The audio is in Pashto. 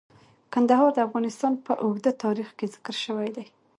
کندهار د افغانستان په اوږده تاریخ کې ذکر شوی دی.